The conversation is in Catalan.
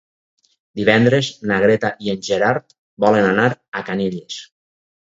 Divendres na Greta i en Gerard volen anar a Canyelles.